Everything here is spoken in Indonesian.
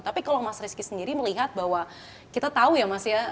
tapi kalau mas rizky sendiri melihat bahwa kita tahu ya mas ya